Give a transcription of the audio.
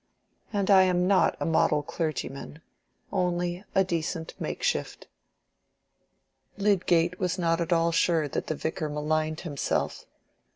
And I am not a model clergyman—only a decent makeshift." Lydgate was not at all sure that the Vicar maligned himself.